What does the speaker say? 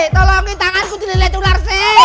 tolongin tangan ku dililat ular si